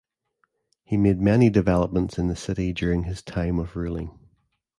He made many developments in the city during his time of ruling.